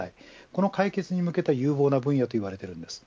この解決に向けて有効な分野と言われています。